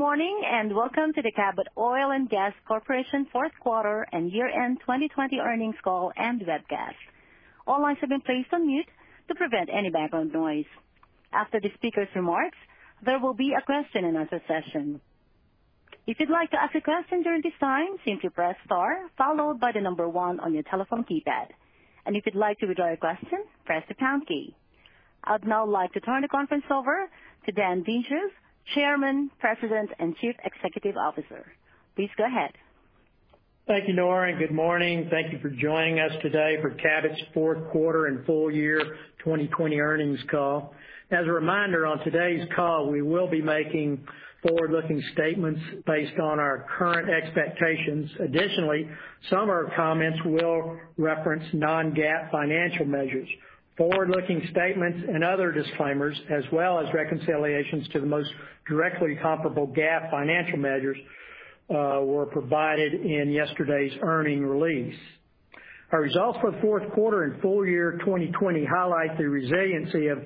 Good morning, and welcome to the Cabot Oil & Gas Corporation fourth quarter and year-end 2020 earnings call and webcast. All lines have been placed on mute to prevent any background noise. After the speaker's remarks, there will be a question and answer session. If you'd like to ask a question during this time, simply press star followed by one on your telephone keypad. If you'd like to withdraw your question, press the pound key. I'd now like to turn the conference over to Dan Dinges, Chairman, President, and Chief Executive Officer. Please go ahead. Thank you, Nora. Good morning. Thank you for joining us today for Cabot's fourth quarter and full year 2020 earnings call. As a reminder, on today's call, we will be making forward-looking statements based on our current expectations. Additionally, some of our comments will reference non-GAAP financial measures. Forward-looking statements and other disclaimers, as well as reconciliations to the most directly comparable GAAP financial measures, were provided in yesterday's earnings release. Our results for the fourth quarter and full year 2020 highlight the resiliency of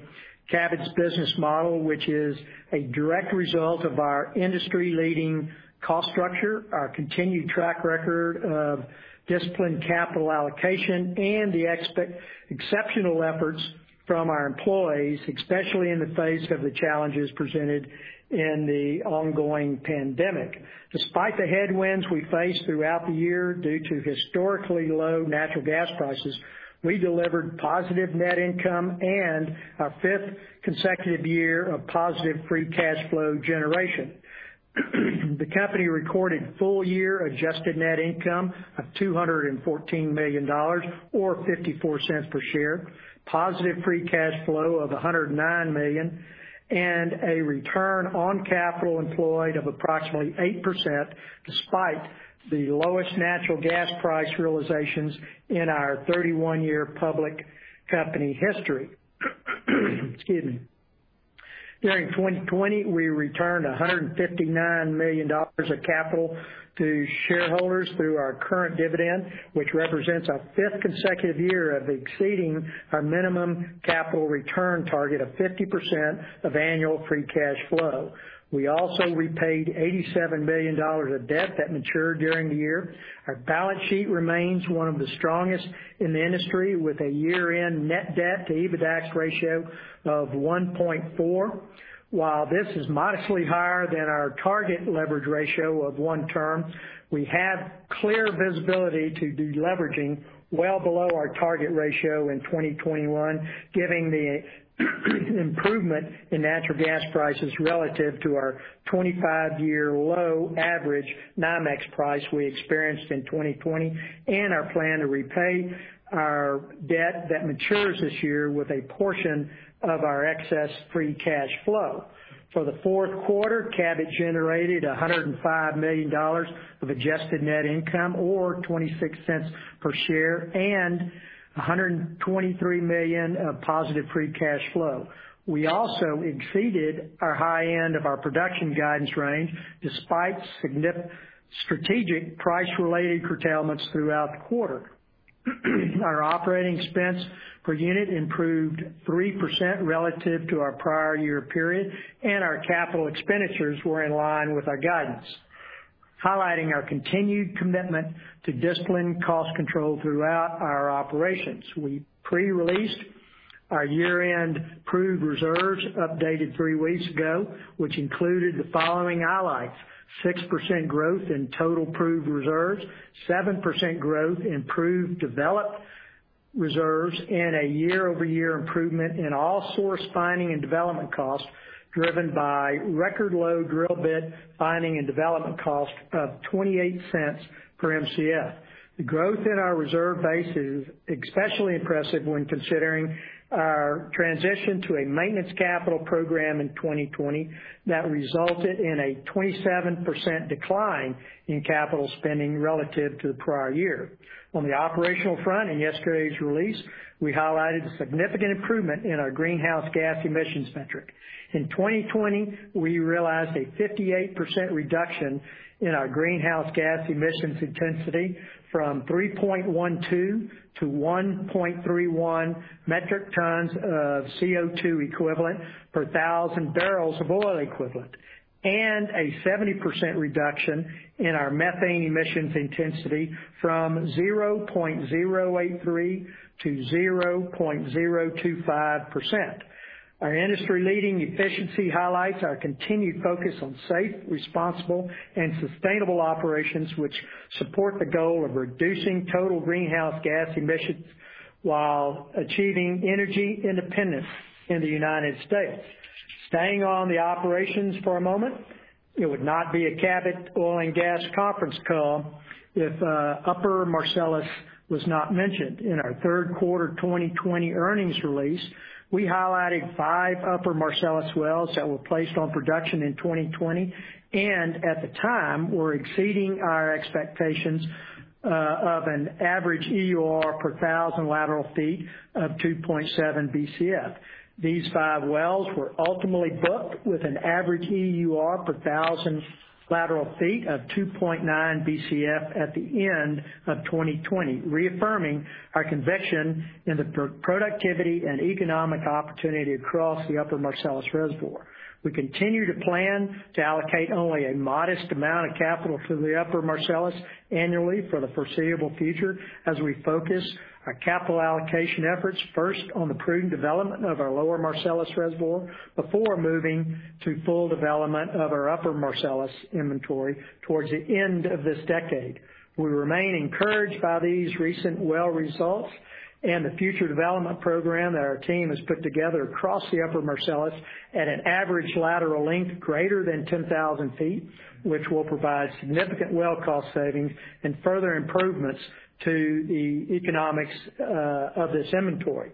Cabot's business model, which is a direct result of our industry-leading cost structure, our continued track record of disciplined capital allocation, and the exceptional efforts from our employees, especially in the face of the challenges presented in the ongoing pandemic. Despite the headwinds we faced throughout the year due to historically low natural gas prices, we delivered positive net income and our fifth consecutive year of positive free cash flow generation. The company recorded full-year adjusted net income of $214 million, or $0.54 per share, positive free cash flow of $109 million, and a return on capital employed of approximately 8%, despite the lowest natural gas price realizations in our 31-year public company history. Excuse me. During 2020, we returned $159 million of capital to shareholders through our current dividend, which represents our fifth consecutive year of exceeding our minimum capital return target of 50% of annual free cash flow. We also repaid $87 million of debt that matured during the year. Our balance sheet remains one of the strongest in the industry, with a year-end net debt-to-EBITDAX ratio of 1.4. While this is modestly higher than our target leverage ratio of one turn, we have clear visibility to deleveraging well below our target ratio in 2021, given the improvement in natural gas prices relative to our 25-year low average NYMEX price we experienced in 2020 and our plan to repay our debt that matures this year with a portion of our excess free cash flow. For the fourth quarter, Cabot generated $105 million of adjusted net income, or $0.26 per share, and $123 million of positive free cash flow. We also exceeded our high end of our production guidance range, despite strategic price-related curtailments throughout the quarter. Our operating expense per unit improved 3% relative to our prior-year period. Our capital expenditures were in line with our guidance, highlighting our continued commitment to disciplined cost control throughout our operations. We pre-released our year-end proved reserves, updated three weeks ago, which included the following highlights: 6% growth in total proved reserves, 7% growth in proved developed reserves, and a year-over-year improvement in all source finding and development costs, driven by record low drill bit finding and development cost of $0.28 per Mcf. The growth in our reserve base is especially impressive when considering our transition to a maintenance capital program in 2020 that resulted in a 27% decline in capital spending relative to the prior year. On the operational front, in yesterday's release, we highlighted a significant improvement in our greenhouse gas emissions metric. In 2020, we realized a 58% reduction in our greenhouse gas emissions intensity from 3.12-1.31 mt of CO2 equivalent per thousand barrels of oil equivalent and a 70% reduction in our methane emissions intensity from 0.083%-0.025%. Our industry-leading efficiency highlights our continued focus on safe, responsible, and sustainable operations, which support the goal of reducing total greenhouse gas emissions while achieving energy independence in the United States. Staying on the operations for a moment. It would not be a Cabot Oil & Gas conference call if the Upper Marcellus were not mentioned. In our third quarter 2020 earnings release, we highlighted five Upper Marcellus wells that were placed on production in 2020, and at the time, were exceeding our expectations of an average EUR per 1,000 lateral feet of 2.7 Bcf. These five wells were ultimately booked with an average EUR per 1,000 lateral feet of 2.9 Bcf at the end of 2020, reaffirming our conviction in the productivity and economic opportunity across the Upper Marcellus reservoir. We continue to plan to allocate only a modest amount of capital to the Upper Marcellus annually for the foreseeable future, as we focus our capital allocation efforts first on the prudent development of our Lower Marcellus reservoir before moving to full development of our Upper Marcellus inventory towards the end of this decade. We remain encouraged by these recent well results and the future development program that our team has put together across the Upper Marcellus at an average lateral length greater than 10,000 ft, which will provide significant well cost savings and further improvements to the economics of this inventory.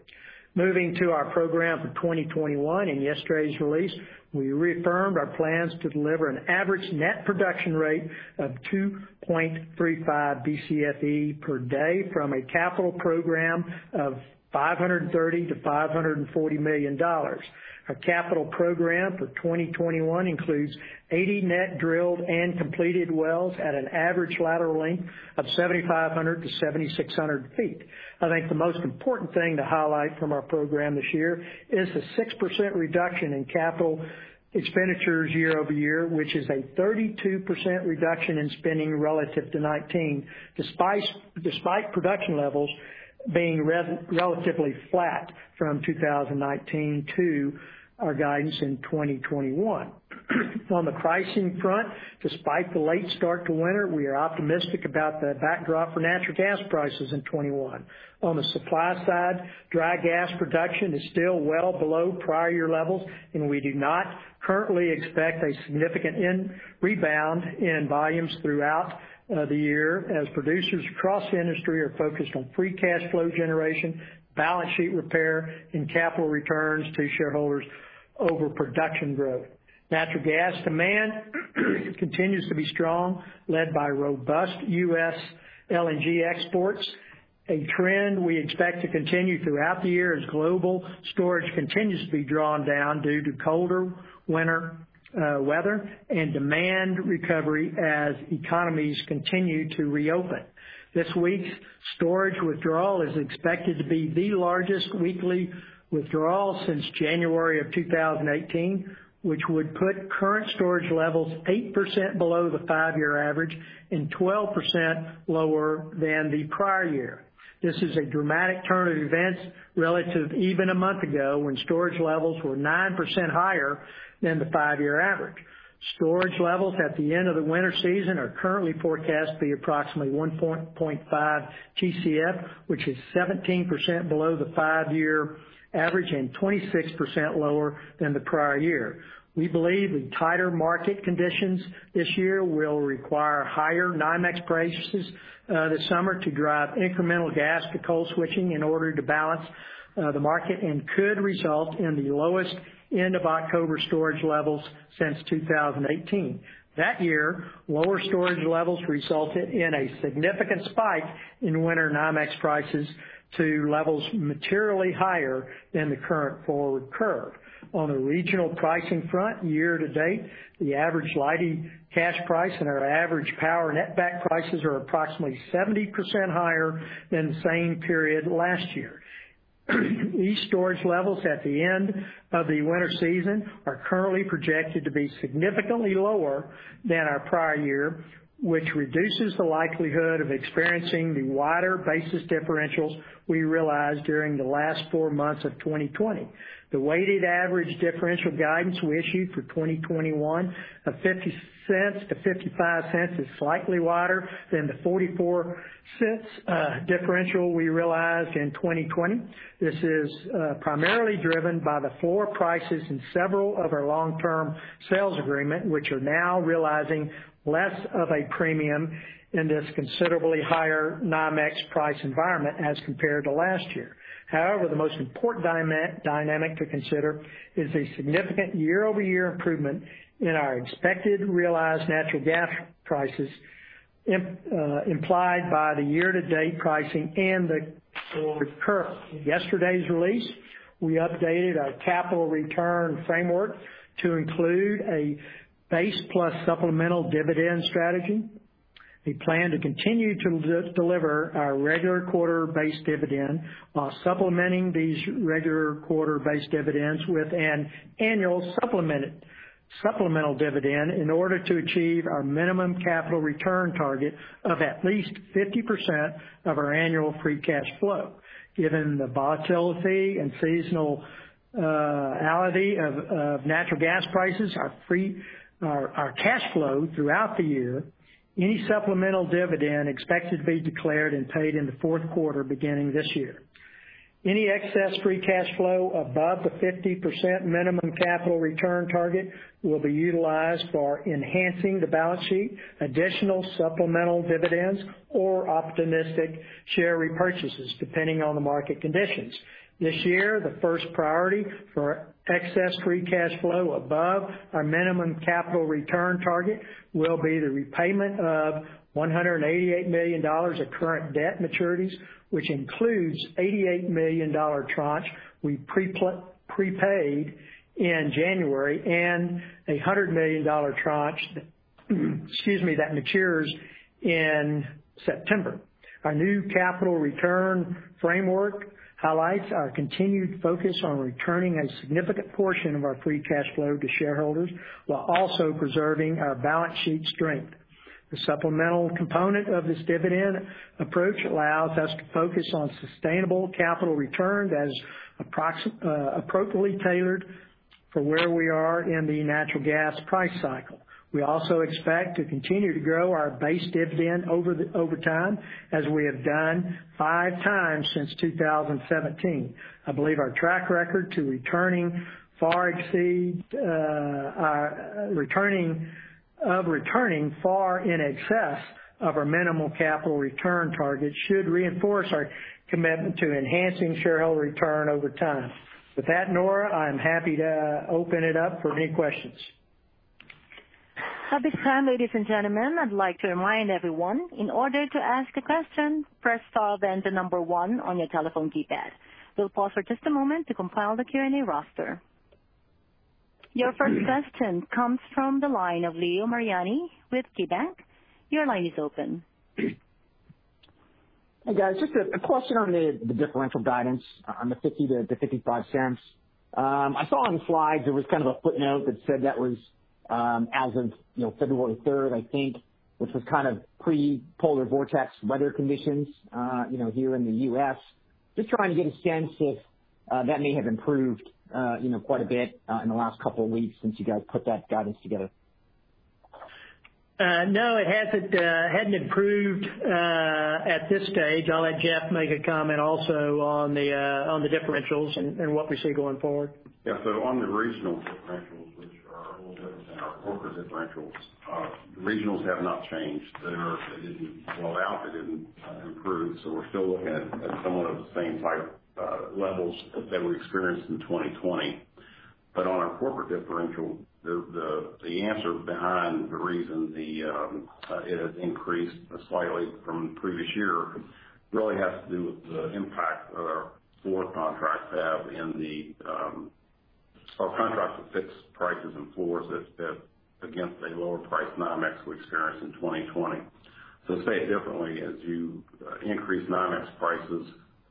Moving to our program for 2021. In yesterday's release, we reaffirmed our plans to deliver an average net production rate of 2.35 Bcfe per day from a capital program of $530 million-$540 million. Our capital program for 2021 includes 80 net drilled and completed wells at an average lateral length of 7,500-7,600 ft. I think the most important thing to highlight from our program this year is the 6% reduction in capital expenditures year-over-year, which is a 32% reduction in spending relative to 2019, despite production levels being relatively flat from 2019 to our guidance in 2021. On the pricing front, despite the late start to winter, we are optimistic about the backdrop for natural gas prices in 2021. On the supply side, dry gas production is still well below prior-year levels, and we do not currently expect a significant rebound in volumes throughout the year as producers across the industry are focused on free cash flow generation, balance sheet repair, and capital returns to shareholders over production growth. Natural gas demand continues to be strong, led by robust U.S. LNG exports are a trend we expect to continue throughout the year as global storage continues to be drawn down due to colder winter weather and demand recovery as economies continue to reopen. This week's storage withdrawal is expected to be the largest weekly withdrawal since January of 2018, which would put current storage levels 8% below the five-year average and 12% lower than the prior year. This is a dramatic turn of events relative to even a month ago, when storage levels were 9% higher than the five-year average. Storage levels at the end of the winter season are currently forecast to be approximately 1.5 Tcf, which is 17% below the five-year average and 26% lower than the prior year. We believe the tighter market conditions this year will require higher NYMEX prices this summer to drive incremental gas to coal switching in order to balance the market and could result in the lowest end of October storage levels since 2018. That year, lower storage levels resulted in a significant spike in winter NYMEX prices to levels materially higher than the current forward curve. On the regional pricing front, year to date, the average Leidy cash price and our average power net back prices are approximately 70% higher than the same period last year. These storage levels at the end of the winter season are currently projected to be significantly lower than our prior year, which reduces the likelihood of experiencing the wider basis differentials we realized during the last four months of 2020. The weighted average differential guidance we issued for 2021 of $0.50-$0.55 is slightly wider than the $0.44 differential we realized in 2020. This is primarily driven by the floor prices in several of our long-term sales agreements, which are now realizing less of a premium in this considerably higher NYMEX price environment as compared to last year. The most important dynamic to consider is the significant year-over-year improvement in our expected realized natural gas prices implied by the year-to-date pricing and the forward curve. In yesterday's release, we updated our capital return framework to include a base plus supplemental dividend strategy. We plan to continue to deliver our regular quarter base dividend while supplementing these regular quarter base dividends with an annual supplemental dividend in order to achieve our minimum capital return target of at least 50% of our annual free cash flow. Given the volatility and seasonality of natural gas prices, our cash flow throughout the year, any supplemental dividend is expected to be declared and paid in the fourth quarter beginning this year. Any excess free cash flow above the 50% minimum capital return target will be utilized for enhancing the balance sheet, additional supplemental dividends, or opportunistic share repurchases, depending on the market conditions. This year, the first priority for excess free cash flow above our minimum capital return target will be the repayment of $188 million of current debt maturities, which includes an $88 million tranche we prepaid in January and a $100 million tranche that matures in September. Our new capital return framework highlights our continued focus on returning a significant portion of our free cash flow to shareholders while also preserving our balance sheet strength. The supplemental component of this dividend approach allows us to focus on sustainable capital return that is appropriately tailored for where we are in the natural gas price cycle. We also expect to continue to grow our base dividend over time, as we have done five times since 2017. I believe our track record of returning far in excess of our minimal capital return target should reinforce our commitment to enhancing shareholder return over time. With that, Nora, I am happy to open it up for any questions. At this time, ladies and gentlemen, I'd like to remind everyone: in order to ask a question, press star then the number one on your telephone keypad. We'll pause for just a moment to compile the Q&A roster. Your first question comes from the line of Leo Mariani with KeyBanc. Your line is open. Hey, guys. Just a question on the differential guidance on the $0.50-$0.55. I saw on the slides there was kind of a footnote that said that was as of February 3rd, I think, which was kind of pre-polar vortex weather conditions here in the U.S. Just trying to get a sense of if that may have improved quite a bit in the last couple of weeks since you guys put that guidance together. No, it hadn't improved at this stage. I'll let Jeff make a comment also on the differentials and what we see going forward. Yeah. On the regional differentials, which are a little different than our corporate differentials, the regionals have not changed. They didn't blow out, they didn't improve, we're still looking at somewhat of the same type levels that were experienced in 2020. On our corporate differential, the answer behind the reason it has increased slightly from the previous year really has to do with the impact our floor contracts have in our contracts with fixed prices and floors that's against a lower price NYMEX we experienced in 2020. To say it differently, as you increase NYMEX prices,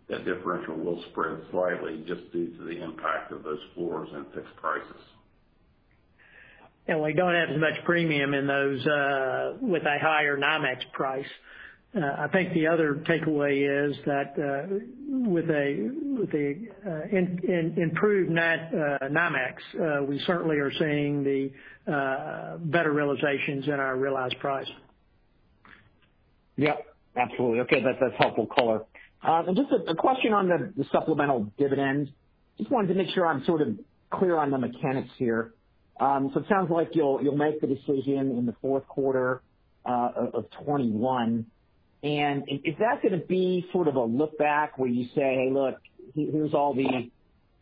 that differential will spread slightly just due to the impact of those floors and fixed prices. We don't have as much premium in those with a higher NYMEX price. I think the other takeaway is that with the improved NYMEX, we certainly are seeing the better realizations in our realized price. Yep, absolutely. Okay. That's helpful color. Just a question on the supplemental dividend. Just wanted to make sure I'm sort of clear on the mechanics here. It sounds like you'll make the decision in the fourth quarter of 2021. Is that going to be sort of a look back where you say, Look, here's all the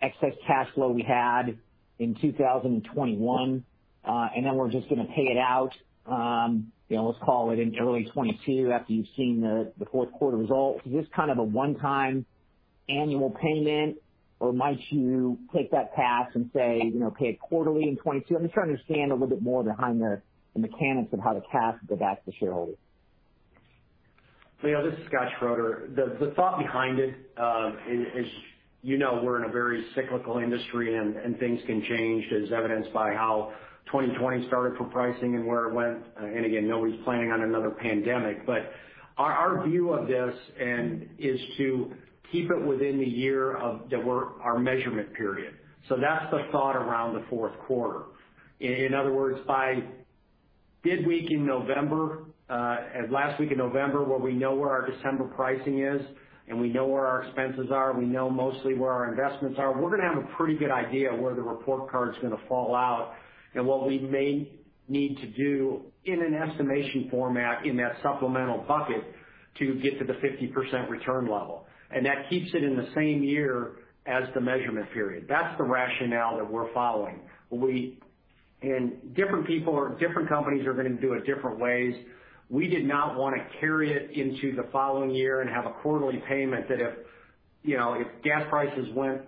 excess cash flow we had in 2021, and then we're just going to pay it out, let's call it in early 2022, after you've seen the fourth quarter results? Is this kind of a one-time annual payment, or might you take that path and say, pay it quarterly in 2022? I'm just trying to understand a little bit more behind the mechanics of how the cash will get back to shareholders. Leo, this is Scott Schroeder. The thought behind it is, you know we're in a very cyclical industry, and things can change, as evidenced by how 2020 started for pricing and where it went. Again, nobody's planning on another pandemic. Our view of this and is to keep it within the year of our measurement period. That's the thought around the fourth quarter. In other words, by mid-week in November, last week of November, where we know where our December pricing is and we know where our expenses are, we know mostly where our investments are, we're going to have a pretty good idea of where the report card's going to fall out and what we may need to do in an estimation format in that supplemental bucket to get to the 50% return level. That keeps it in the same year as the measurement period. That's the rationale that we're following. Different companies are going to do it different ways. We did not want to carry it into the following year and have a quarterly payment that, if gas prices went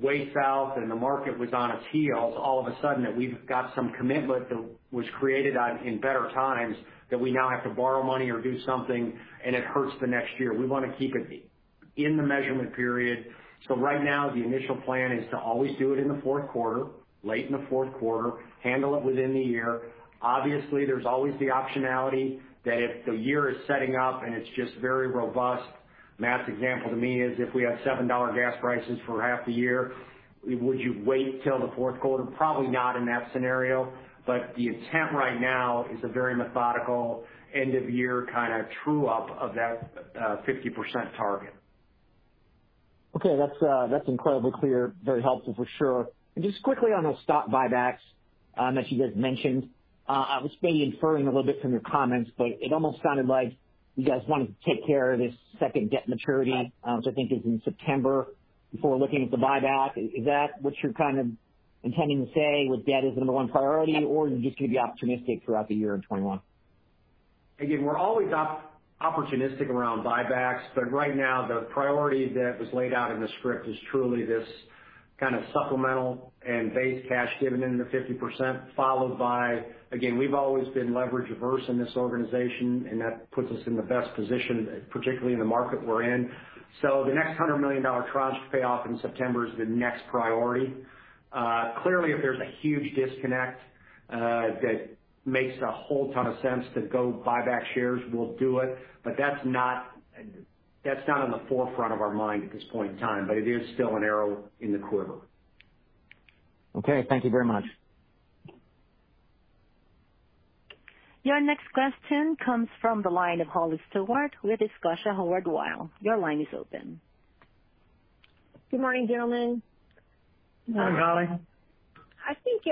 way south and the market was on its heels, all of a sudden we'd have some commitment that was created in better times that we now have to borrow money or do something for, and it hurts the next year. We want to keep it in the measurement period. Right now, the initial plan is to always do it in the fourth quarter, late in the fourth quarter, and handle it within the year. There's always the optionality that if the year is setting up and it's just very robust, math example to me is if we have $7 gas prices for half the year, would you wait till the fourth quarter? Probably not in that scenario. The intent right now is a very methodical end-of-year kind of true-up of that 50% target. Okay. That's incredibly clear. Very helpful for sure. Just quickly on those stock buybacks that you guys mentioned. I was maybe inferring a little bit from your comments, but it almost sounded like you guys wanted to take care of this second debt maturity, which I think is in September, before looking at the buyback. Is that what you're kind of intending to say, with debt as the number one priority? Are you just going to be opportunistic throughout the year in 2021? Again, we're always opportunistic around buybacks, but right now the priority that was laid out in the script is truly this kind of supplemental and base cash dividend of 50%, followed by, again, we've always been leverage-averse in this organization, and that puts us in the best position, particularly in the market we're in. The next $100 million tranche payoff in September is the next priority. Clearly, if there's a huge disconnect, it makes a whole ton of sense to go buy back shares; we'll do it. That's not in the forefront of our mind at this point in time. It is still an arrow in the quiver. Okay. Thank you very much. Your next question comes from the line of Holly Stewart with Scotia Howard Weil. Your line is open. Good morning, gentlemen. Morning, Holly. I think,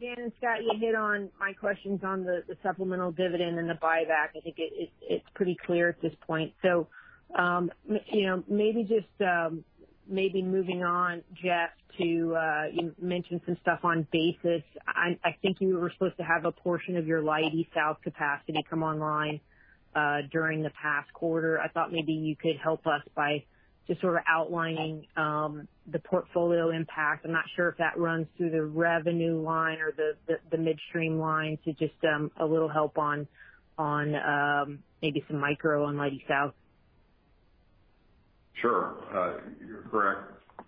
Dan and Scott, you hit on my questions on the supplemental dividend and the buyback. I think it's pretty clear at this point. Maybe moving on, Jeff, you mentioned some stuff on the basis. I think you were supposed to have a portion of your Leidy South capacity come online during the past quarter. I thought maybe you could help us by just sort of outlining the portfolio impact. I'm not sure if that runs through the revenue line or the midstream line. Just a little help on maybe some micro on Leidy South? Sure. You're correct. Of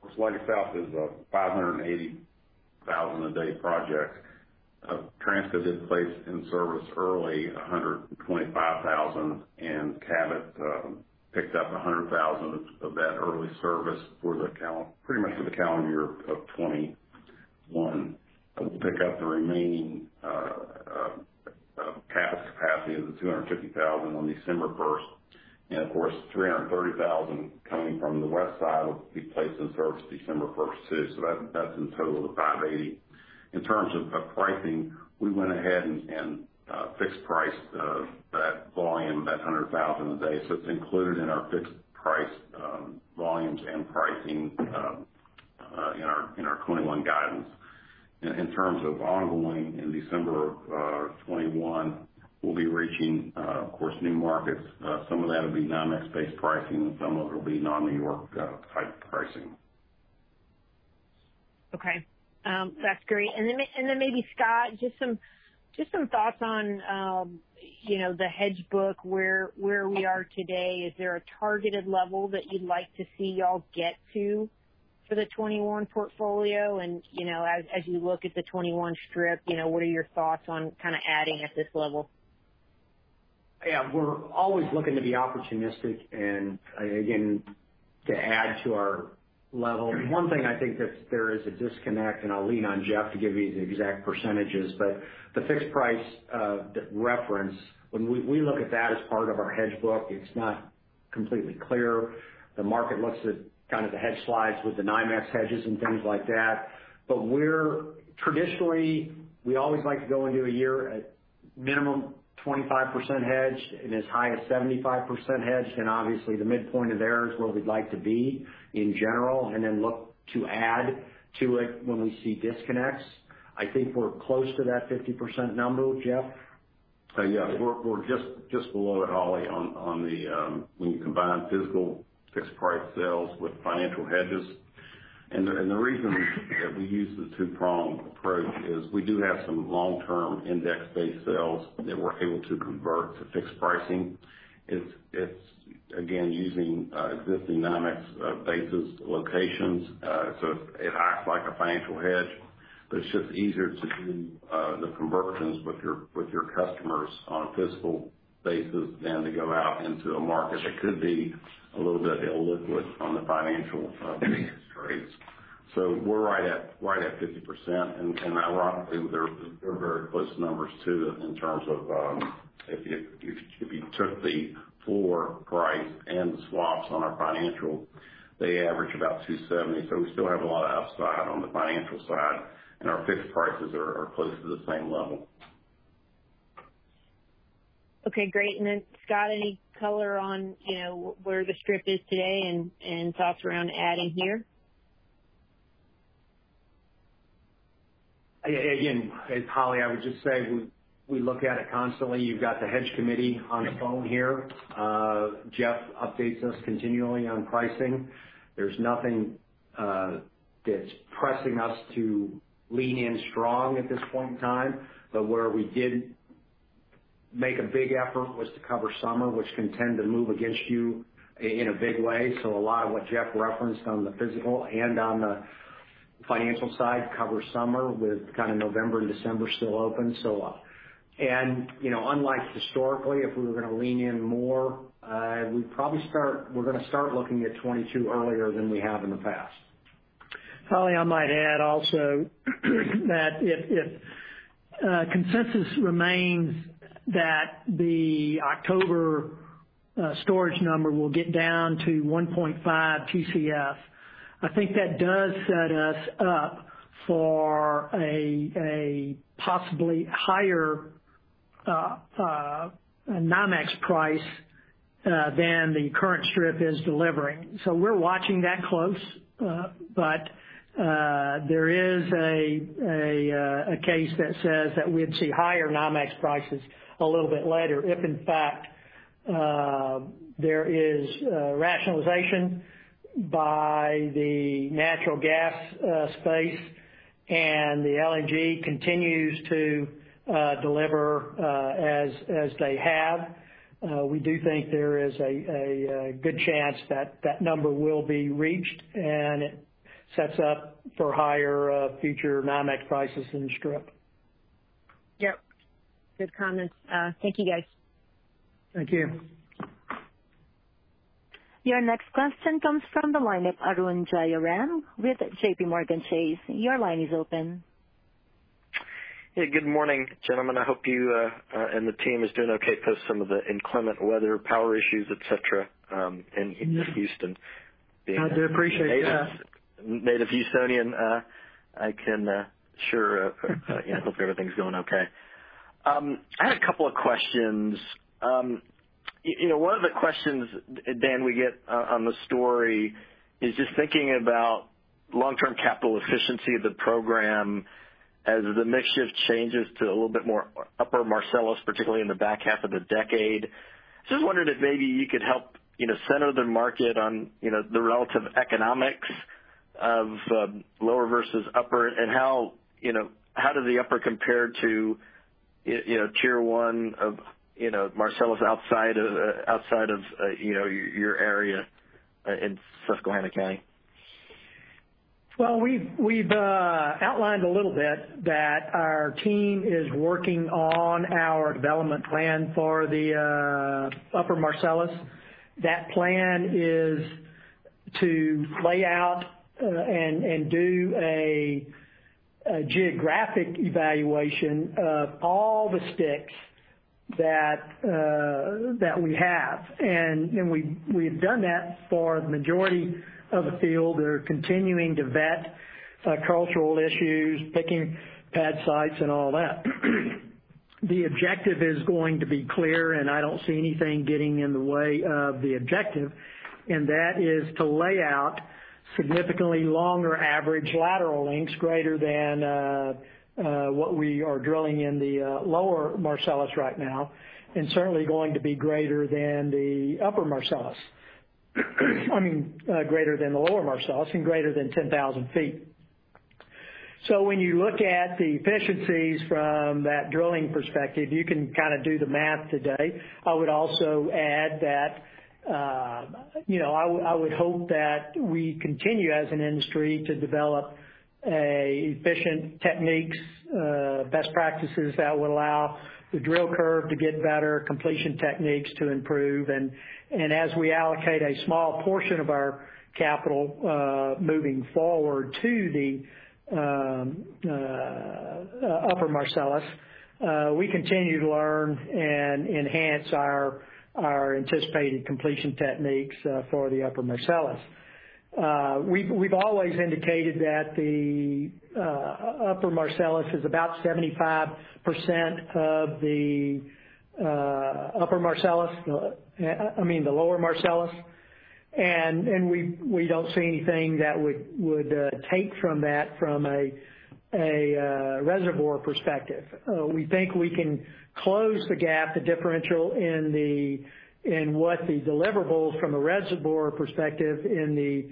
course, Leidy South is a 580,000 a day project. Transco in place in early service at 125,000, and Cabot picked up 100,000 of that early service pretty much for the calendar year of 2021. We'll pick up the remaining capacity of the 250,000 on December 1st, and of course, 330,000 coming from the west side will be placed in service on December 1st too. That's in total of 580. In terms of pricing, we went ahead and fixed the price for that volume, that 100,000 a day. It's included in our fixed-price volumes and pricing in our 2021 guidance. In terms of ongoing in December of 2021, we'll be reaching, of course, new markets. Some of that will be non-NYMEX based pricing, and some of it will be non-N.Y.-type pricing. Okay. That's great. Maybe Scott, just some thoughts on the hedge book and where we are today. Is there a targeted level that you'd like to see you all get to for the 2021 portfolio? As you look at the 2021 strip, what are your thoughts on kind of adding at this level? Yeah. We're always looking to be opportunistic and, again, to add to our level. One thing I think is that there is a disconnect, and I'll lean on Jeff to give you the exact percentages, the fixed price reference; when we look at that as part of our hedge book, it's not completely clear. The market looks at kind of the hedge slides with the NYMEX hedges and things like that. Traditionally, we always like to go into a year at minimum 25% hedged and as high as 75% hedged. Obviously the midpoint of there is where we'd like to be in general, and then look to add to it when we see disconnections. I think we're close to that 50% number. Jeff? Yeah. We're just below it, Holly, when you combine physical fixed-price sales with financial hedges. The reason that we use the two-pronged approach is we do have some long-term index-based sales that we're able to convert to fixed pricing. It's again using existing NYMEX basis locations. It acts like a financial hedge, but it's just easier to do the conversions with your customers on a physical basis than to go out into a market that could be a little bit illiquid on the financial index trades. We're right at 50%. Ironically, they're very close numbers too, in terms of if you took the floor price and the swaps on our financial, averaging about $2.70. We still have a lot of upside on the financial side, and our fixed prices are close to the same level. Okay, great. Scott, any color on where the strip is today and thoughts around adding here? Again, Holly, I would just say we look at it constantly. You've got the hedge committee on the phone here. Jeff updates us continually on pricing. There's nothing that's pressing us to lean in strong at this point in time. Where we did make a big effort was to cover summer, which can tend to move against you in a big way. A lot of what Jeff referenced on the physical and on the financial side covers summer with kind of November and December still open. Unlike historically, if we were going to lean in more, we're going to start looking at 2022 earlier than we have in the past. Holly, I might add also that if consensus remains that the October storage number will get down to 1.5 Tcf, I think that does set us up for a possibly higher NYMEX price than the current strip is delivering. We're watching that close. There is a case that says that we'd see higher NYMEX prices a little bit later if, in fact, there is rationalization by the natural gas space and the LNG continues to deliver as it has. We do think there is a good chance that that number will be reached, and it sets up higher future NYMEX prices in the strip. Yep. Good comments. Thank you, guys. Thank you. Your next question comes from the line of Arun Jayaram with JPMorgan Chase. Your line is open. Hey. Good morning, gentlemen. I hope you and the team is doing okay post some of the inclement weather, power issues, et cetera, in Houston. I do appreciate that. As a native Houstonian, Yeah, hope everything's going okay. I had a couple of questions. One of the questions, Dan, we get on the story is just thinking about long-term capital efficiency of the program as the mix shift changes to a little bit more Upper Marcellus, particularly in the back half of the decade. Just wondering if maybe you could help center the market on the relative economics of lower versus upper, and how does the upper compare to Tier 1 of Marcellus outside of your area in Susquehanna County? Well, we've outlined a little bit that our team is working on our development plan for the Upper Marcellus. That plan is to lay out and do a geographic evaluation of all the sticks that we have. We've done that for the majority of the field. They're continuing to vet cultural issues, picking pad sites and all that. The objective is going to be clear, and I don't see anything getting in the way of the objective, and that is to lay out significantly longer average lateral lengths greater than what we are drilling in the Lower Marcellus right now and certainly going to be greater than the Upper Marcellus. Greater than the Lower Marcellus and greater than 10,000 ft. When you look at the efficiencies from that drilling perspective, you can do the math today. I would also add that I would hope that we continue as an industry to develop efficient techniques and best practices that will allow the drill curve to get better and completion techniques to improve. And as we allocate a small portion of our capital moving forward to the Upper Marcellus, we continue to learn and enhance our anticipated completion techniques for the Upper Marcellus. We've always indicated that the Upper Marcellus is about 75% of the Lower Marcellus, and we don't see anything that would take from that from a reservoir perspective. We think we can close the gap, the differential in what the deliverables from a reservoir perspective in the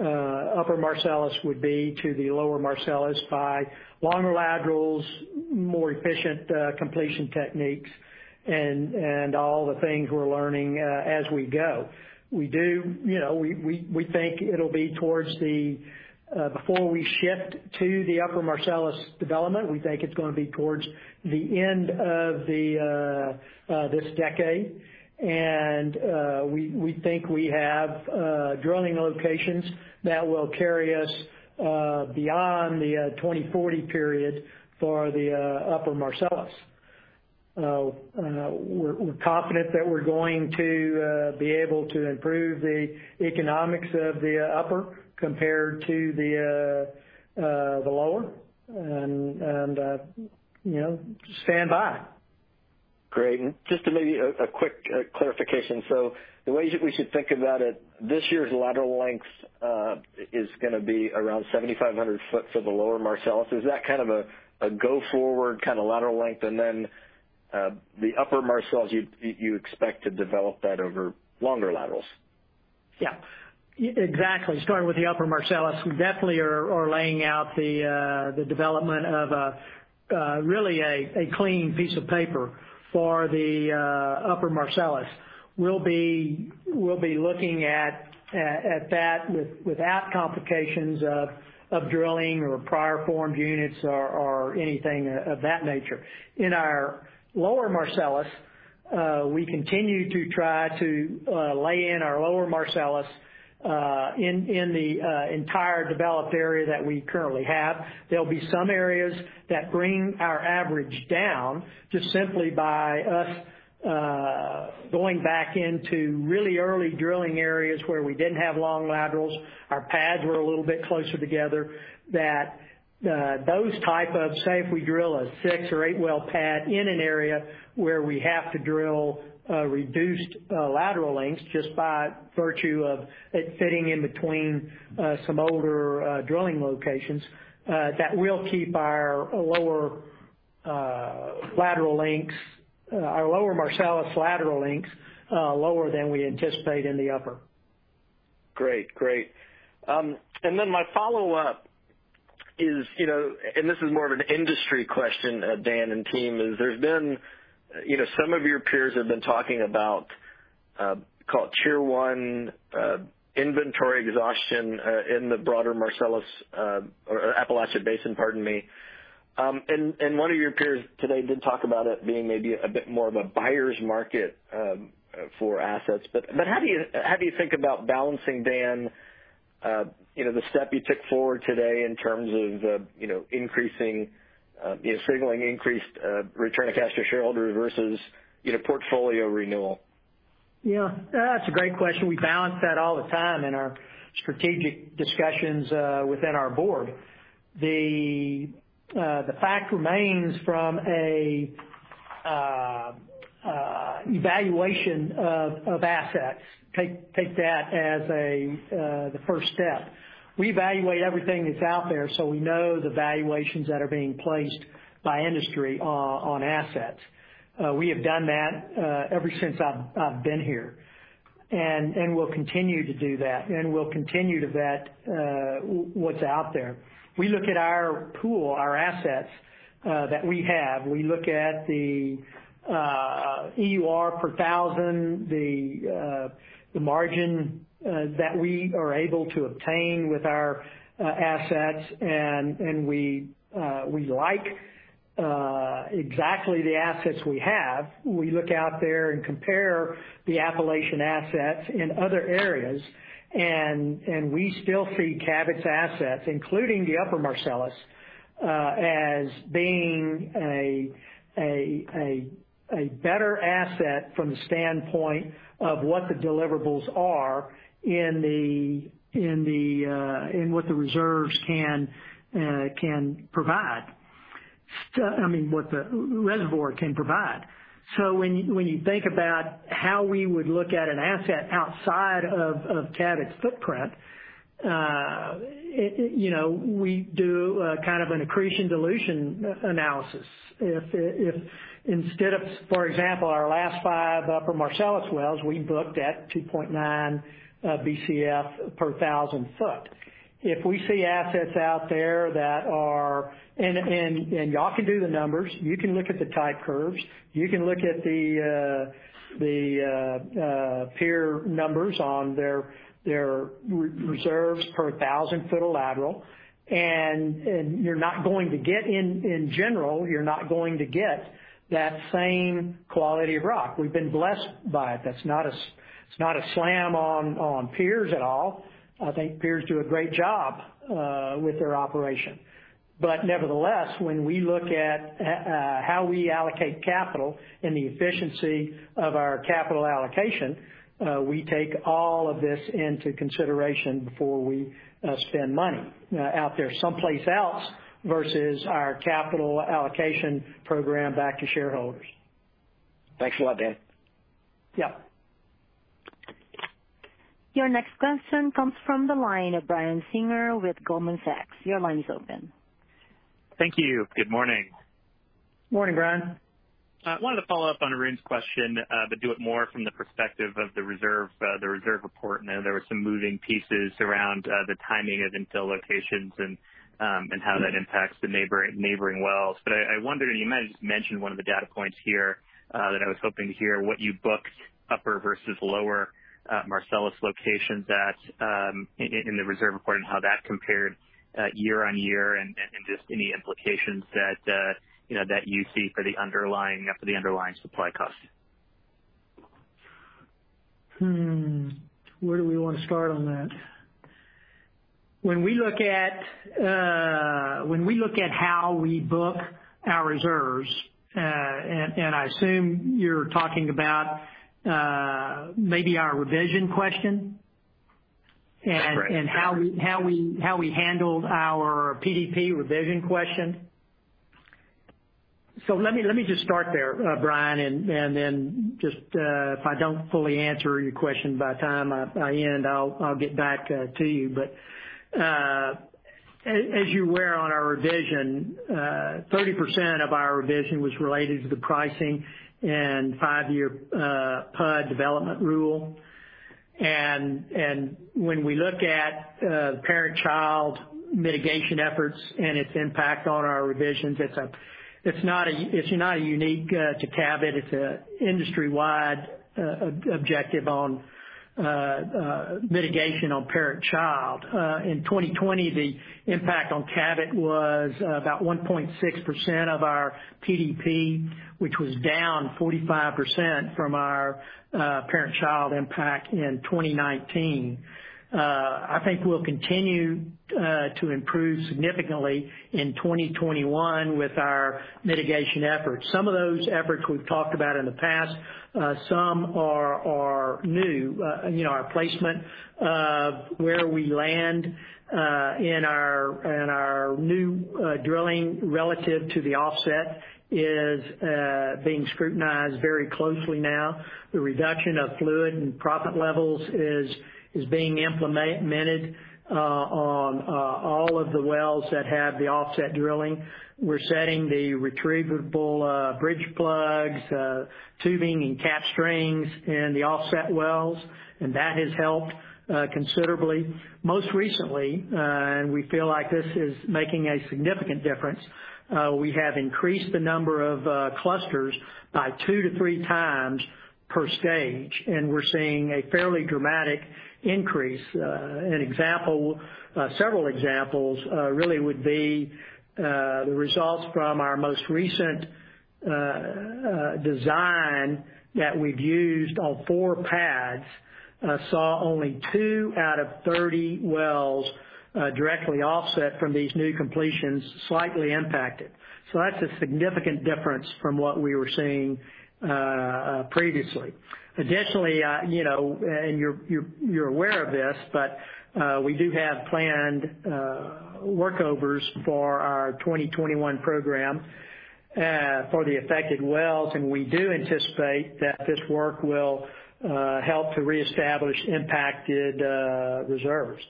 Upper Marcellus would be to the Lower Marcellus, by longer laterals, more efficient completion techniques, and all the things we're learning as we go. Before we shift to the Upper Marcellus development, we think it's going to be towards the end of this decade, and we think we have drilling locations that will carry us beyond the 2040 period for the Upper Marcellus. We're confident that we're going to be able to improve the economics of the upper compared to the lower and stand by it. Great. Just maybe a quick clarification. The way we should think about it, this year's lateral length is going to be around 7,500 ft for the Lower Marcellus. Is that kind of a go-forward lateral length? The Upper Marcellus, do you expect to develop that over longer laterals? Yeah. Exactly. Starting with the Upper Marcellus, we definitely are laying out the development of really a clean piece of paper for the Upper Marcellus. We'll be looking at that without complications of drilling or prior-formed units or anything of that nature. In our Lower Marcellus, we continue to try to lay in our Lower Marcellus, in the entire developed area that we currently have. There'll be some areas that bring our average down just simply by us going back into really early drilling areas where we didn't have long laterals. Our pads were a little bit closer together, and those types of, say, if we drill a six or eight-well pad in an area where we have to drill reduced lateral lengths just by virtue of it fitting in between some older drilling locations, that will keep our Lower Marcellus lateral lengths lower than we anticipate in the upper. Great. My follow-up is, this is more of an industry question, Dan and team, is some of your peers have been talking about call it Tier 1 inventory exhaustion in the broader Marcellus, or Appalachian Basin, pardon me. One of your peers today did talk about it being maybe a bit more of a buyer's market for assets. How do you think about balancing, Dan, the step you took forward today in terms of signaling increased return to cash for shareholders versus portfolio renewal? Yeah. That's a great question. We balance that all the time in our strategic discussions within our board. The fact remains from an evaluation of assets. Take that as the first step. We evaluate everything that's out there, so we know the valuations that are being placed by industry on assets. We have done that ever since I've been here, and we'll continue to do that, and we'll continue to vet what's out there. We look at our pool, our assets that we have. We look at the EUR 1,000, the margin that we are able to obtain with our assets, and we like exactly the assets we have. We look out there and compare the Appalachian assets in other areas, and we still see Cabot's assets, including the Upper Marcellus, as being a better asset from the standpoint of what the deliverables are and what the reservoir can provide. When you think about how we would look at an asset outside of Cabot's footprint, we do an accretion dilution analysis. For example, our last five Upper Marcellus wells, we booked at 2.9 Bcf per 1,000 ft. You all can do the numbers. You can look at the type curves. You can look at the peer numbers on their reserves per 1,000 ft of lateral. In general, you're not going to get that same quality of rock. We've been blessed by it. That's not a slam on peers at all. I think peers do a great job with their operation. Nevertheless, when we look at how we allocate capital and the efficiency of our capital allocation, we take all of this into consideration before we spend money out there someplace else versus our capital allocation program back to shareholders. Thanks a lot, Dan. Yeah. Your next question comes from the line of Brian Singer with Goldman Sachs. Your line is open. Thank you. Good morning. Morning, Brian. I wanted to follow up on Arun's question but do it more from the perspective of the reserve report. I know there were some moving pieces around the timing of infill locations and how that impacts the neighboring wells. I wonder, and you might have just mentioned one of the data points here, if I was hoping to hear what you booked upper versus lower Marcellus locations in the reserve report and how that compared year-over-year and just any implications that you see for the underlying supply cost? Where do we want to start on that? When we look at how we book our reserves, I assume you're talking about maybe our revision question? That's correct. How we handled our PDP revision question. Let me just start there, Brian, and then just if I don't fully answer your question by the time I end, I'll get back to you. As you're aware, in our revision, 30% of our revision was related to the pricing and five-year PUD development rule. When we look at parent-child mitigation efforts and their impact on our revisions, it's not unique to Cabot. It's an industry-wide objective on mitigation of parent-child. In 2020, the impact on Cabot was about 1.6% of our PDP, which was down 45% from our parent-child impact in 2019. I think we'll continue to improve significantly in 2021 with our mitigation efforts. Some of those efforts we've talked about in the past; some are new. Our placement of where we land in our new drilling relative to the offset is being scrutinized very closely now. The reduction of fluid and proppant levels is being implemented on all of the wells that have the offset drilling. We're setting the retrievable bridge plugs, tubing, and cap strings in the offset wells, and that has helped considerably. Most recently, and we feel like this is making a significant difference, we have increased the number of clusters by 2x-3x per stage, and we're seeing a fairly dramatic increase. Several examples really would be the results from our most recent design that we've used on four pads, which saw only 2 out of 30 wells directly offset from these new completions slightly impacted. That's a significant difference from what we were seeing previously. Additionally, and you're aware of this, we do have planned workovers for our 2021 program for the affected wells, and we do anticipate that this work will help to re-establish impacted reserves.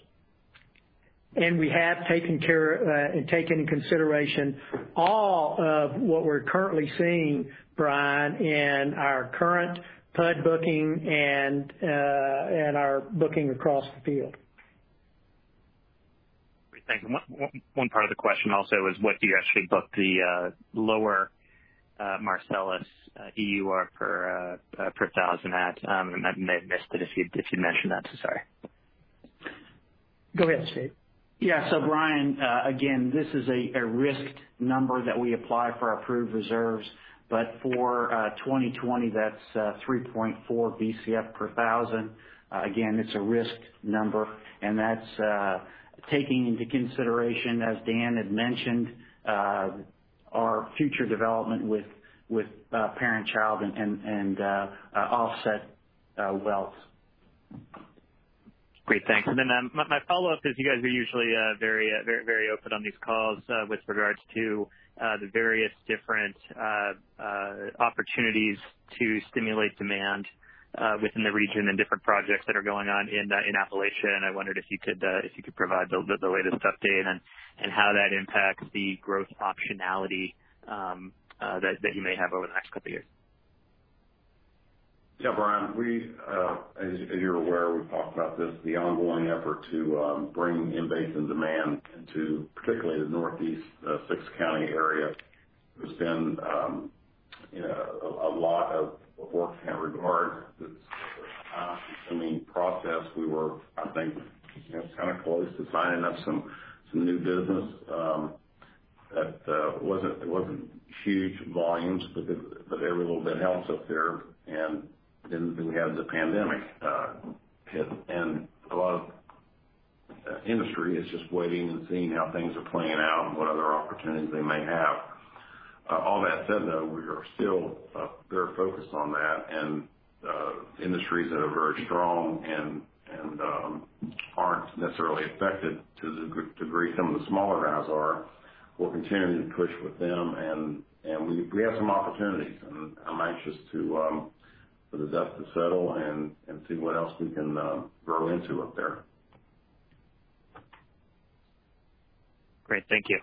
We have taken into consideration all of what we're currently seeing, Brian, in our current PUD booking and our booking across the field. Great. Thanks. One part of the question also is what do you actually book the lower Marcellus 1,000 EUR at? I may have missed it if you'd mentioned that, sorry. Go ahead, Steve. Brian, again, this is a risked number that we apply for our proved reserves, but for 2020, that's 3.4 Bcf per 1,000. Again, it's a risky number, and that's taking into consideration, as Dan had mentioned, our future development with parent-child and offset wells. Great. Thanks. My follow-up is you guys are usually very open on these calls with regard to the various different opportunities to stimulate demand within the region and different projects that are going on in Appalachia, and I wondered if you could provide the latest update and how that impacts the growth optionality that you may have over the next couple of years. Yeah. Brian, as you're aware, we've talked about this, the ongoing effort to bring in basin demand into particularly the northeast six-county area. There's been a lot of work in regard to this time-consuming process. We were, I think, kind of close to signing up some new business that wasn't huge volumes, but every little bit helps up there, and then we had the pandemic hit. A lot of industry is just waiting and seeing how things are playing out and what other opportunities they may have. All that said, though, we are still very focused on that, and industries that are very strong and aren't necessarily affected to the degree some of the smaller guys are, we're continuing to push with them, and we have some opportunities. I'm anxious for the dust to settle and see what else we can grow into up there. Great. Thank you.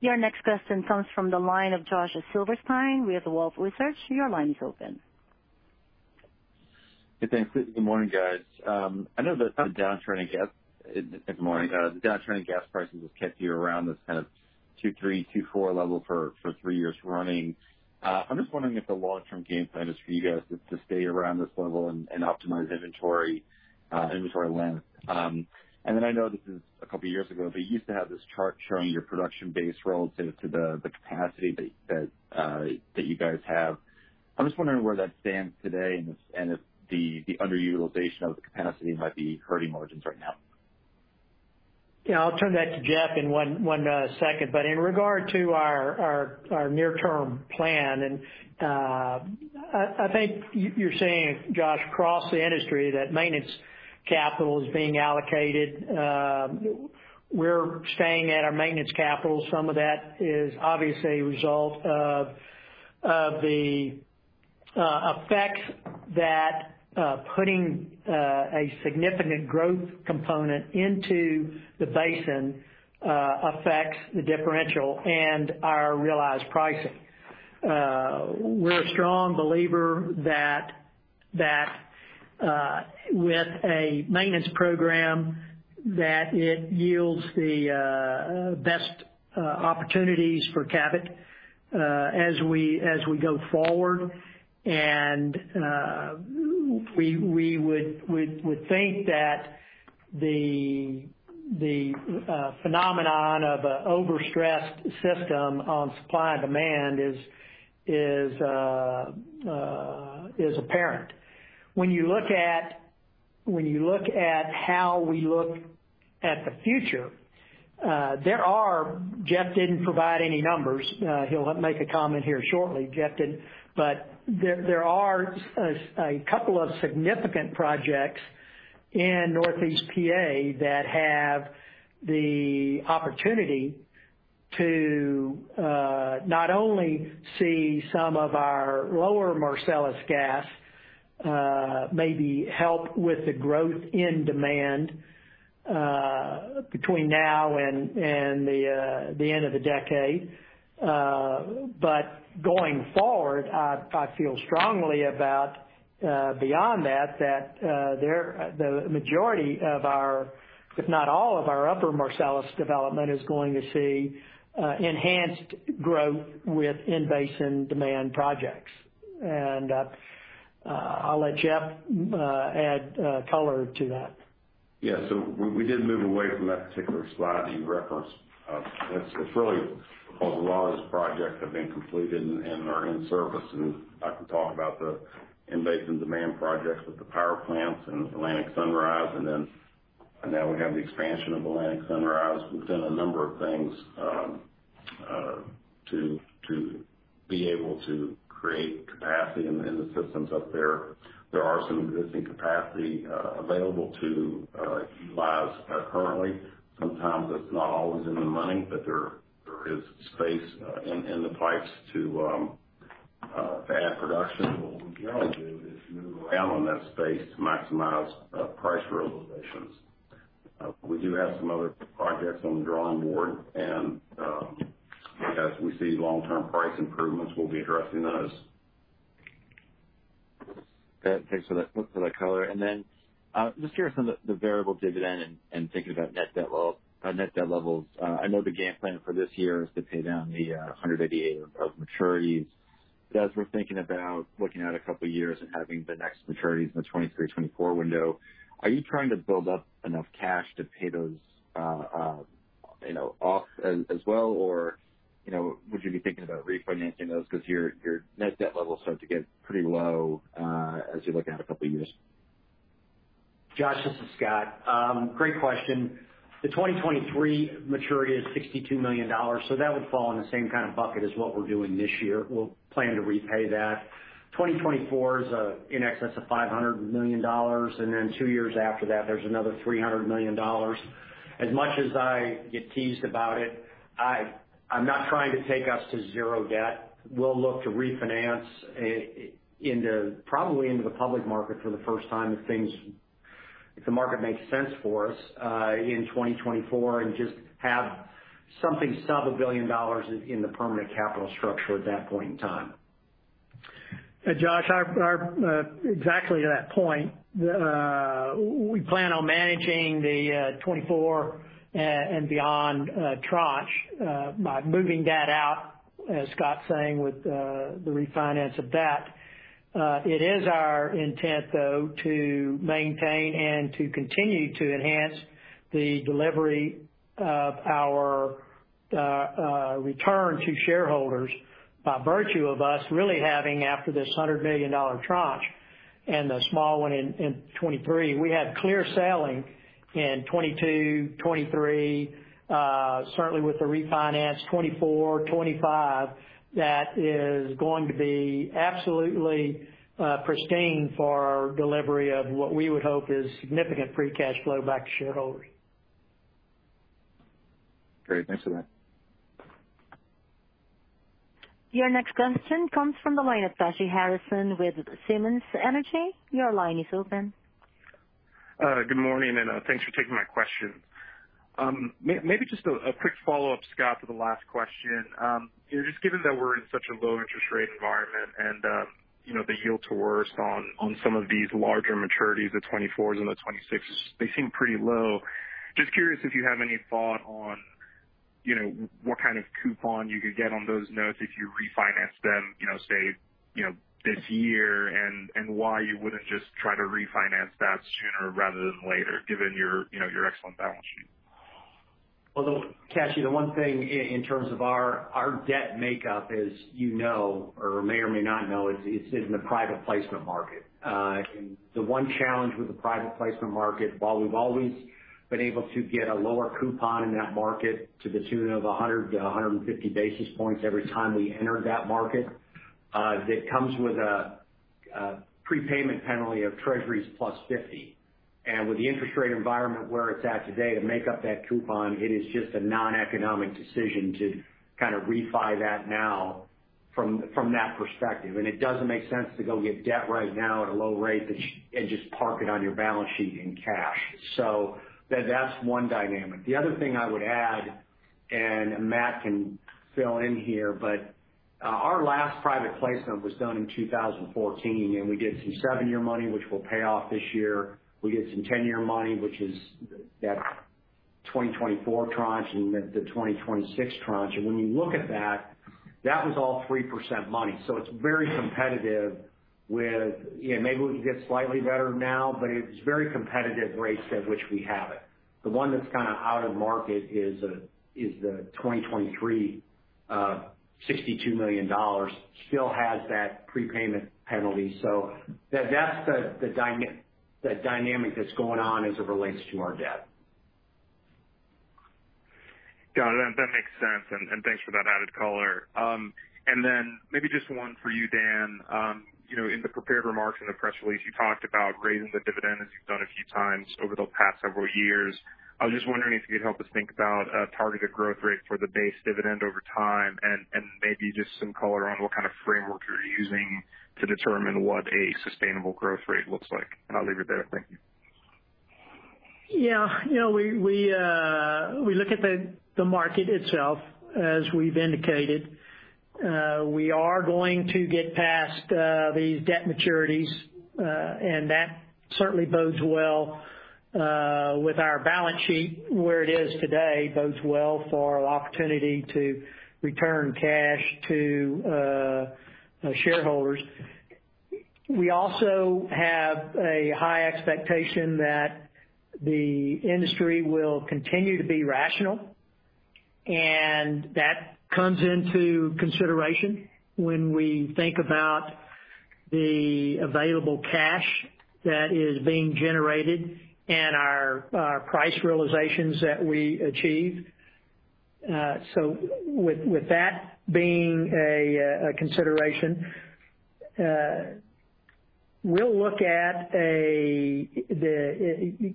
Your next question comes from the line of Josh Silverstein with Wolfe Research. Your line is open. Hey, thanks. Good morning, guys. The downturn in natural gas prices has kept you around this kind of $2.30-$2.40 level for three years running. I'm just wondering if the long-term game plan is for you guys to stay around this level and optimize inventory length. I know this was a couple of years ago, but you used to have this chart showing your production base relative to the capacity that you guys have. I'm just wondering where that stands today and if the underutilization of the capacity might be hurting margins right now. Yeah, I'll turn that over to Jeff in one second. In regard to our near-term plan, I think you're seeing, Josh, across the industry that maintenance capital is being allocated. We're staying at our maintenance capacity. Some of that is obviously a result of the effects that putting a significant growth component into the basin affects the differential and our realized pricing. We're a strong believer that with a maintenance program, it yields the best opportunities for Cabot as we go forward. We would think that the phenomenon of an overstressed system of supply and demand is apparent. When you look at how we look at the future, Jeff didn't provide any numbers. He'll make a comment here shortly, Jeff will, but there are a couple of significant projects in Northeast P.A. that have the opportunity to not only see some of our lower Marcellus gas but maybe help with the growth in demand between now and the end of the decade. Going forward, I feel strongly about beyond that the majority of our, if not all of our, Upper Marcellus development is going to see enhanced growth with in-basin demand projects. I'll let Jeff add color to that. Yeah. We did move away from that particular slide that you referenced. It's really because a lot of those projects have been completed and are in service. I can talk about the in-basin demand projects with the power plants and Atlantic Sunrise, and now we have the expansion of Atlantic Sunrise. We've done a number of things to be able to create capacity in the systems up there. There are some existing capacity available to utilize currently. Sometimes it's not always in the money, but there is space in the pipes to add production. What we generally do is move around in that space to maximize price realizations. We do have some other projects on the drawing board, and as we see long-term price improvements, we'll be addressing those. Thanks for that color. Then I'm just curious about the variable dividend and thinking about net debt levels. I know the game plan for this year is to pay down the $188 of maturities. As we're thinking about looking out a couple of years and having the next maturities in the 2023, 2024 window, are you trying to build up enough cash to pay those off as well? Or would you be thinking about refinancing those because your net debt levels start to get pretty low as you look out a couple years? Josh, this is Scott. Great question. The 2023 maturity is $62 million; that would fall in the same kind of bucket as what we're doing this year. We'll plan to repay that. 2024 is in excess of $500 million; then two years after that, there's another $300 million. As much as I get teased about it, I'm not trying to take us to zero debt. We'll look to refinance probably into the public market for the first time if the market makes sense for us in 2024 just have something sub $1 billion in the permanent capital structure at that point in time. Josh, exactly to that point. We plan on managing the 2024 and beyond tranche by moving that out, as Scott's saying, with the refinance of debt. It is our intent, though, to maintain and to continue to enhance the delivery of our return to shareholders by virtue of us really having, after this $100 million tranche and the small one in 2023, clear sailing in 2022, 2023. Certainly with the refinance, 2024, 2025, that is going to be absolutely pristine for our delivery of what we would hope is significant free cash flow back to shareholders. Great. Thanks for that. Your next question comes from the line of Kashy Harrison with Simmons Energy. Your line is open. Good morning. Thanks for taking my question. Maybe just a quick follow-up, Scott, to the last question. Just given that we're in such a low interest rate environment and the yield to worst on some of these larger maturities, the 2024s and the 2026s, they seem pretty low. Just curious if you have any thoughts on what kind of coupon you could get on those notes if you refinanced them, say, this year and why you wouldn't just try to refinance them sooner rather than later, given your excellent balance sheet. Well, Kashy, the one thing in terms of our debt makeup is, as you may or may not know, it's in the private placement market. The one challenge with the private placement market, while we've always been able to get a lower coupon in that market to the tune of 100-150 basis points every time we enter that market, that comes with a prepayment penalty of Treasuries +50. With the interest rate environment where it's at today, to make up that coupon, it is just a non-economic decision to refi that now from that perspective. It doesn't make sense to go get debt right now at a low rate and just park it on your balance sheet in cash. That's one dynamic. The other thing I would add, and Matt can fill in here, is that our last private placement was done in 2014, and we did some seven-year money, which we'll pay off this year. We did some 10-year money, which are that 2024 tranche and the 2026 tranche. When you look at that was all 3% money. It's very competitive. Maybe we can get slightly better now, but it's very competitive rates at which we have it. The one that's out of the market is the 2023 $62 million; it still has that prepayment penalty. That's the dynamic that's going on as it relates to our debt. Got it. That makes sense, and thanks for that added color. Then maybe just one for you, Dan. In the prepared remarks in the press release, you talked about raising the dividend as you've done a few times over the past several years. I was just wondering if you could help us think about a targeted growth rate for the base dividend over time and maybe just some color on what kind of framework you're using to determine what a sustainable growth rate looks like. I'll leave it there. Thank you. Yeah. We look at the market itself, as we've indicated. We are going to get past these debt maturities, and that certainly bodes well with our balance sheet. Where it is today bodes well for an opportunity to return cash to shareholders. We also have a high expectation that the industry will continue to be rational, and that comes into consideration when we think about the available cash that is being generated and our price realizations that we achieve. With that being a consideration, we'll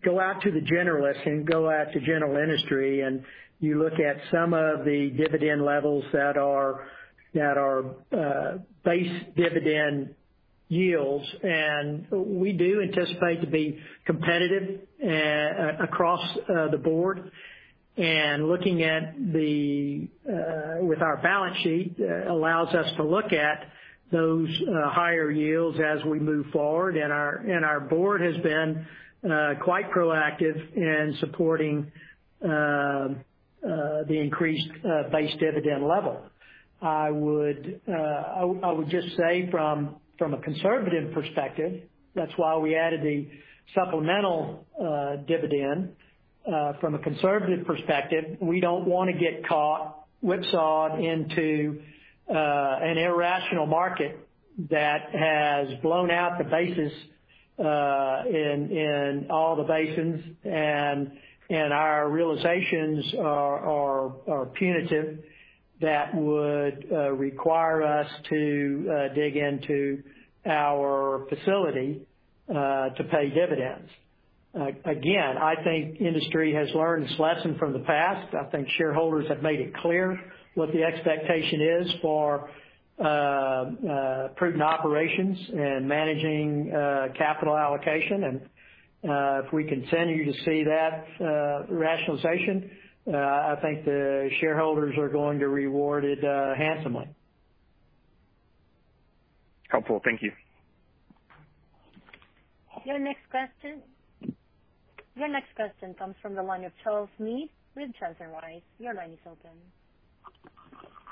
go out to the generalists and go out to general industry, and you look at some of the dividend levels that are base dividend yields, and we do anticipate being competitive across the board. Looking at our balance sheet allows us to look at those higher yields as we move forward. Our board has been quite proactive in supporting the increased base dividend level. I would just say from a conservative perspective, that's why we added the supplemental dividend. From a conservative perspective, we don't want to get caught whipsawed into an irrational market that has blown out the basis in all the basins, and our realizations are punitive that would require us to dig into our facility to pay dividends. Again, I think industry has learned its lesson from the past. I think shareholders have made it clear what the expectation is for prudent operations and managing capital allocation. If we continue to see that rationalization, I think the shareholders are going to reward it handsomely. Helpful. Thank you. Your next question comes from the line of Charles Meade with Johnson Rice. Your line is open.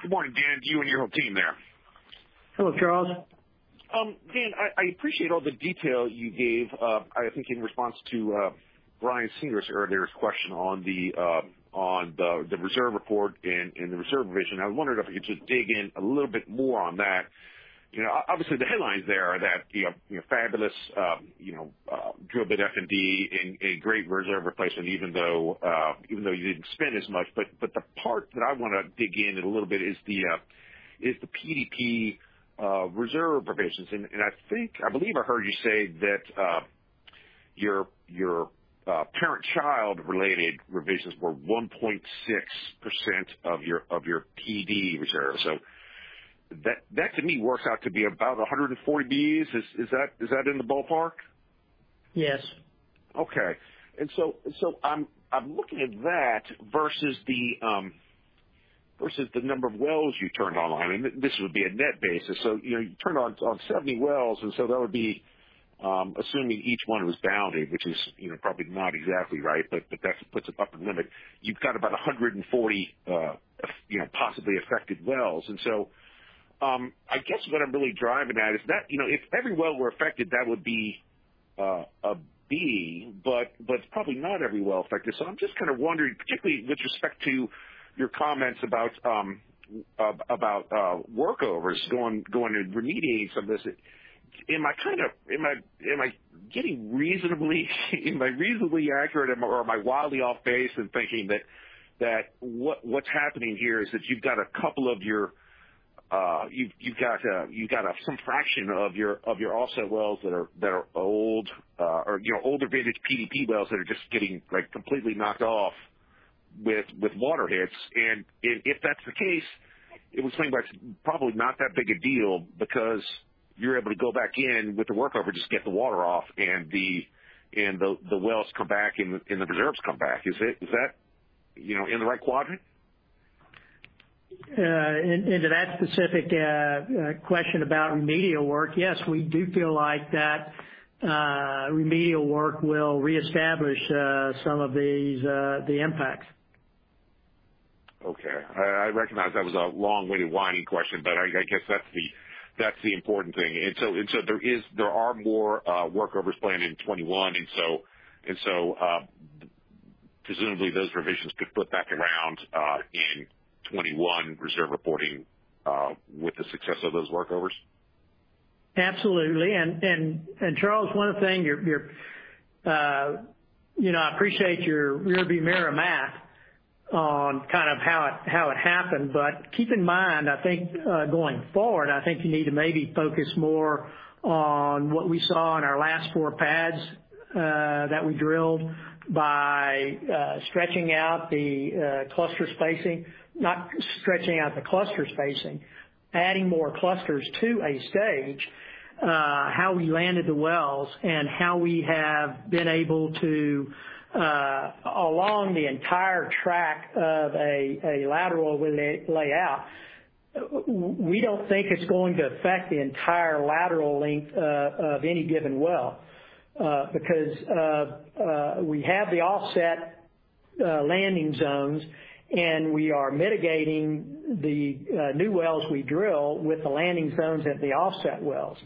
Good morning, Dan, to you and your whole team there. Hello, Charles. Dan, I appreciate all the detail you gave, I think in response to Brian Singer's earlier question on the reserve report and the reserve revision. I was wondering if you could just dig in a little bit more on that. Obviously, the headlines there are that fabulous drill bit F&D and great reserve replacement, even though you didn't spend as much. The part that I want to dig into a little bit is the PDP reserve revisions. I believe I heard you say that your parent-child-related revisions were 1.6% of your PD reserve. That to me works out to be about 140 Bcf. Is that in the ballpark? Yes. Okay. I'm looking at that versus the number of wells you turned on. This would be a net basis. You turned on 70 wells, and so that would be assuming each one was bounded, which is probably not exactly right, but that puts an upper limit. You've got about 140 possibly affected wells. I guess what I'm really driving at is that if every well were affected, that would be a Bcf, but probably not every well is affected. I'm just kind of wondering, particularly with respect to your comments about workovers, about going and remediating some of this. Am I reasonably accurate, or am I wildly off base in thinking that what's happening here is that you've got some fraction of your offset wells that are old or older-vintage PDP wells that are just getting completely knocked off with water hits? If that's the case, it would seem like it's probably not that big a deal because you're able to go back in with the workover, just get the water off, and the wells come back and the reserves come back. Is that in the right quadrant? Into that specific question about remedial work, yes, we do feel like that remedial work will reestablish some of the impacts. Okay. I recognize that was a long-winded, winding question, but I guess that's the important thing. There are more workovers planned in 2021, and so presumably those revisions could flip back around in 2021 reserve reporting with the success of those workovers. Absolutely. Charles, one thing, I appreciate your rear view mirror math on how it happened, but keep in mind, I think, going forward, I think you need to maybe focus more on what we saw in our last four pads that we drilled by stretching out the cluster spacing. Not stretching out the cluster spacing, adding more clusters to a stage, how we landed the wells, and how we have been able to, along the entire track of a lateral layout. We don't think it's going to affect the entire lateral length of any given well. We have the offset landing zones, and we are mitigating the new wells we drill with the landing zones at the offset wells.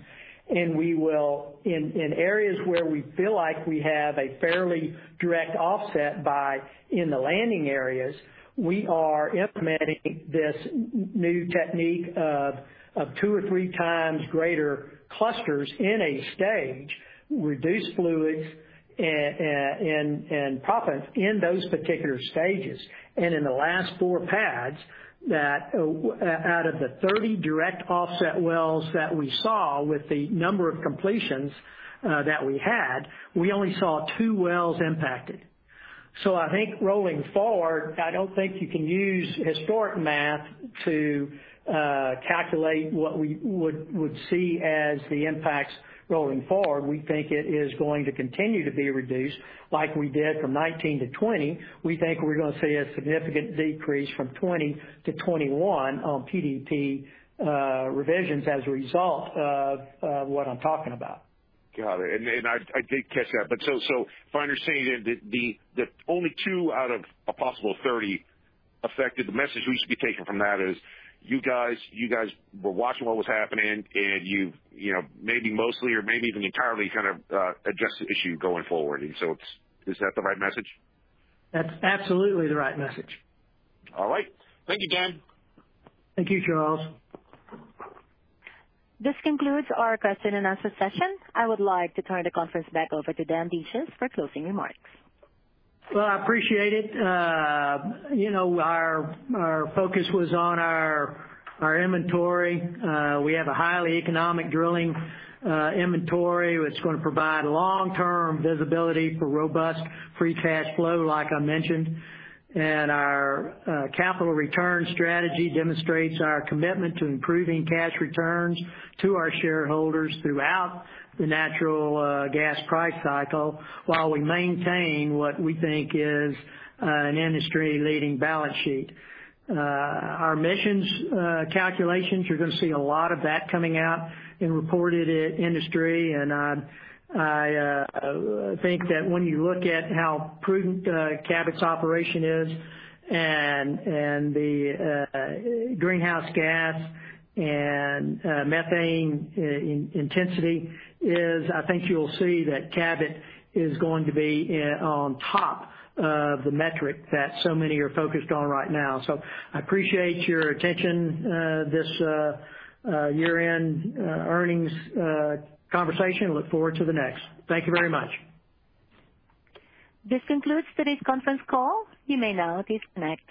We will, in areas where we feel like we have a fairly direct offset by in the landing areas, we are implementing this new technique of 2x or 3x times greater clusters in a stage, reducing fluids, and propping in those particular stages. In the last four pads, out of the 30 direct-offset wells that we saw with the number of completions that we had, we only saw two wells impacted. I think rolling forward, I don't think you can use historical math to calculate what we would see as the impacts rolling forward. We think it is going to continue to be reduced, like we did from 2019-2020. We think we're going to see a significant decrease from 2020-2021 on PDP revisions as a result of what I'm talking about. Got it. I did catch that. If I understand that only two out of a possible 30 affected, the message we should be taking from that is you guys were watching what was happening, and you've maybe mostly or maybe even entirely addressed the issue going forward. Is that the right message? That's absolutely the right message. All right. Thank you, Dan. Thank you, Charles. This concludes our question and answer session. I would like to turn the conference back over to Dan Dinges for closing remarks. Well, I appreciate it. Our focus was on our inventory. We have a highly economic drilling inventory, which is going to provide long-term visibility for robust free cash flow, like I mentioned. Our capital return strategy demonstrates our commitment to improving cash returns to our shareholders throughout the natural gas price cycle, while we maintain what we think is an industry-leading balance sheet. Our emissions calculations—you're going to see a lot of that coming out and reported at industry. I think that when you look at how prudent Cabot's operation is and the greenhouse gas and methane intensity is, I think you'll see that Cabot is going to be on top of the metric that so many are focused on right now. I appreciate your attention to this year-end earnings conversation and look forward to the next. Thank you very much. This concludes today's conference call. You may now disconnect.